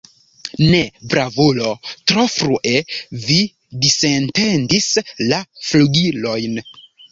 Ne, bravulo, tro frue vi disetendis la flugilojn!